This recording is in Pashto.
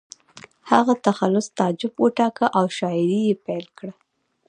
هغه تخلص تعجب وټاکه او شاعري یې پیل کړه